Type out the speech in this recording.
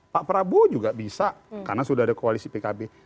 pak prabowo juga bisa karena sudah ada koalisi pkb